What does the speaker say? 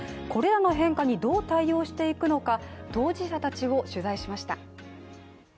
これらの変化にどう対応していくのか当事者たちを取材しました。